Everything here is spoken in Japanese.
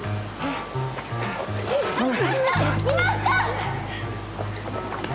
いました！